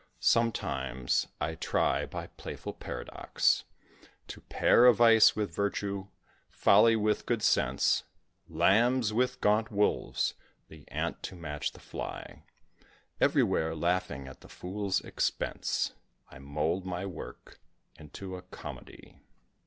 Sometimes I try, by playful paradox, To pair a vice with virtue, folly with good sense, Lambs with gaunt wolves, the ant to match the fly; Everywhere laughing at the fool's expense, I mould my work into a comedy, [Illustration: THE WOODMAN AND MERCURY.